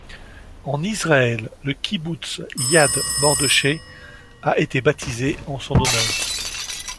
En Israël, le kibboutz Yad Mordechai a été baptisé en son honneur.